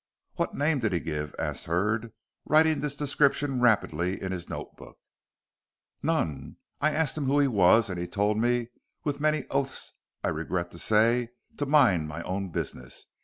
"What name did he give?" asked Hurd, writing this description rapidly in his note book. "None. I asked him who he was, and he told me with many oaths I regret to say to mind my own business.